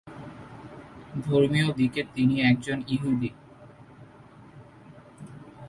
ধর্মীয় দিকে তিনি একজন ইহুদি।